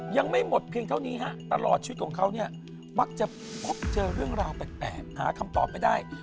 ยังไม่หมดเพียงเท่านี้ฮะตลอดชีวิตของเขาเนี่ยมักจะพบเจอเรื่องราวแปลกหาคำตอบไม่ได้